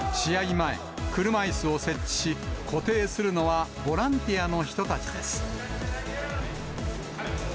前、車いすを設置し、固定するのはボランティアの人たちです。